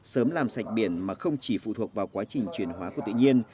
sớm làm sạch biển mà không chỉ phụ thuộc vào quá trình chuyển hóa của tự nhiên